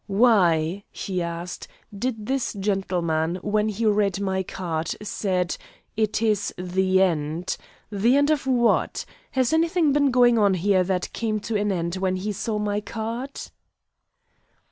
"Why," he asked, "did this gentleman, when he read my card, say, 'It is the end'? The end of what? Has anything been going on here that came to an end when he saw my card?"